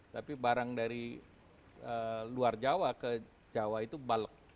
tapi barang dari luar jawa ke jawa itu balek